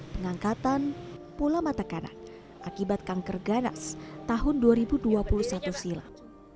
pengangkatan pola mata kanan akibat kanker ganas tahun dua ribu dua puluh satu silam